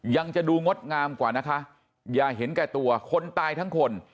จะดูงดงามกว่านะคะอย่าเห็นแก่ตัวคนตายทั้งคน